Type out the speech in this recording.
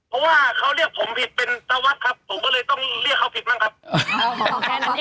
เพราะว่าเขาเรียกผมผิดเป็นตะวัดครับผมก็เลยต้องเรียกเขาผิดบ้างครับ